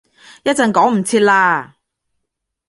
一陣趕唔切喇